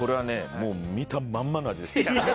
もう見たまんまの味ですよ。